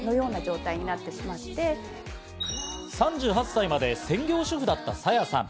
３８歳まで専業主婦だったＳａｙａさん。